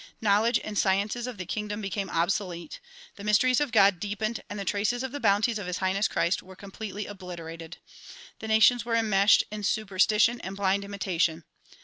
Knowledge and sciences of the kingdom became obsolete, the mysteries of God deepened and the traces of the bounties of His Highness Christ were completely obliterated. The nations were enmeshed in super stition and blind imitation.